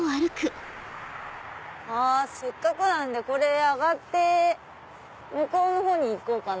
せっかくなんでこれ上がって向こうのほうに行こうかな。